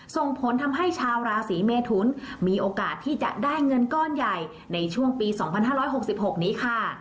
ส่งผลทำให้ชาวราศีเมทุนมีโอกาสที่จะได้เงินก้อนใหญ่ในช่วงปี๒๕๖๖นี้ค่ะ